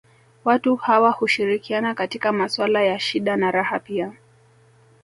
Watu hawa hushirikiana katika maswala ya shida na raha pia